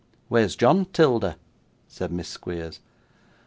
'Where's John, 'Tilda?' said Miss Squeers.